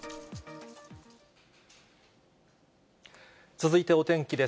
続いてお天気です。